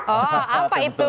oh apa itu